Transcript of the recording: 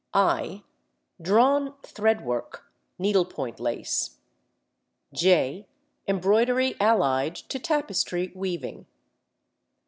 (i) Drawn thread work; needlepoint lace. (j) Embroidery allied to tapestry weaving.